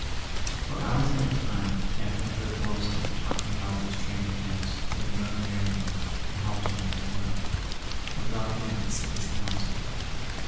For hours at a time Campton heard Boylston talk¬ ing about these training camps with the young Amer¬ icans who helped him in his work, or dropped in to seek his counsel.